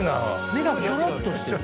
目がきょろっとしてるな。